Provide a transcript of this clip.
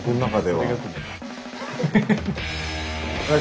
はい。